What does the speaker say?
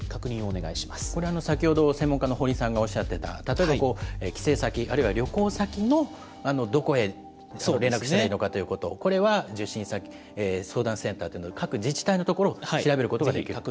これ先ほど、専門家の堀さんがおっしゃってた、例えば帰省先、あるいは旅行先のどこへ連絡したらいいのかということ、受診先、相談センターというのを、各自治体の所を調べることができる。